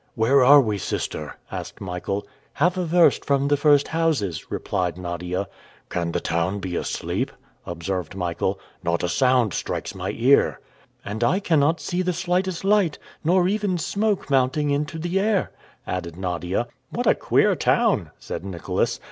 "Where are we, sister?" asked Michael. "Half a verst from the first houses," replied Nadia. "Can the town be asleep?" observed Michael. "Not a sound strikes my ear." "And I cannot see the slightest light, nor even smoke mounting into the air," added Nadia. "What a queer town!" said Nicholas.